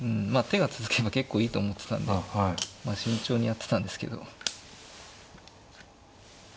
手が続けば結構いいと思ってたんで慎重にやってたんですけど。